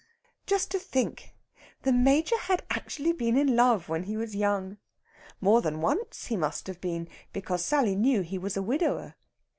Just to think! The Major had actually been in love when he was young. More than once he must have been, because Sally knew he was a widower.